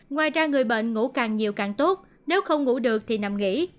ngoài ra người bệnh ngủ càng nhiều càng tốt nếu không ngủ được thì nằm nghỉ